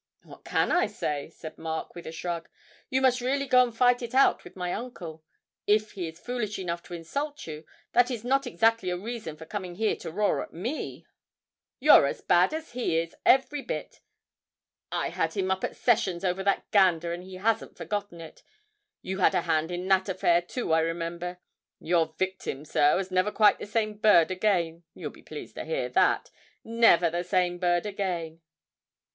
'What can I say?' said Mark, with a shrug. 'You must really go and fight it out with my uncle; if he is foolish enough to insult you, that's not exactly a reason for coming here to roar at me.' 'You're as bad as he is, every bit. I had him up at sessions over that gander, and he hasn't forgotten it. You had a hand in that affair, too, I remember. Your victim, sir, was never the same bird again you'll be pleased to hear that never the same bird again!'